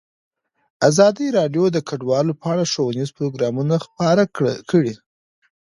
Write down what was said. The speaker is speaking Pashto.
ازادي راډیو د کډوال په اړه ښوونیز پروګرامونه خپاره کړي.